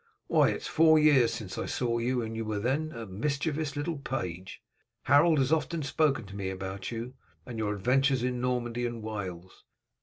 Why, it is four years since I saw you, and you were then a mischievous little page. Harold has often spoken to me about you, and your adventures in Normandy and Wales.